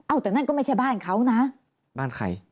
แต่นั่นก็ไม่ใช่บ้านเขานะบ้านใคร